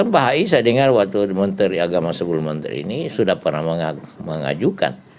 baik saya dengar waktu menteri agama sebelum menteri ini sudah pernah mengajukan